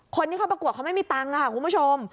คนที่เขาประกวดเขาไม่มีตังค์ค่ะคุณผู้ชม